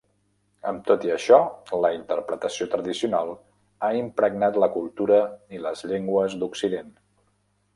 Amb tot i això, la interpretació tradicional ha impregnat la cultura i les llengües d'Occident.